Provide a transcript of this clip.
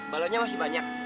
balonnya masih banyak